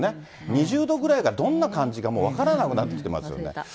２０度ぐらいがどんな感じかもう分からなくなってきてますよね。